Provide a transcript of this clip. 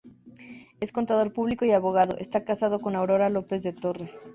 Es Contador Público y Abogado, esta casado con Aurora López de Torres.